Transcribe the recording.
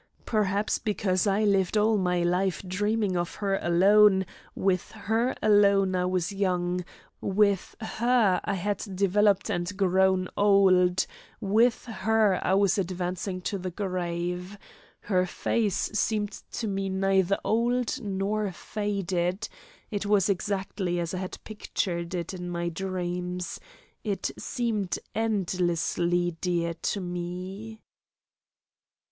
Perhaps because I lived all my life dreaming of her alone, with her alone I was young, with her I had developed and grown old, with her I was advancing to the grave her face seemed to me neither old nor faded it was exactly as I had pictured it in my dreams it seemed endlessly dear to me.